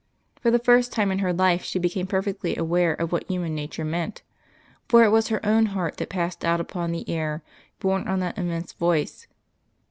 For the first time in her life she became perfectly aware of what human nature meant; for it was her own heart that passed out upon the air, borne on that immense voice.